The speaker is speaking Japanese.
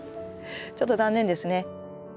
ちょっと残念ですね。